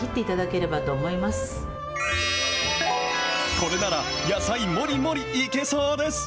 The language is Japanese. これなら野菜もりもりいけそうです。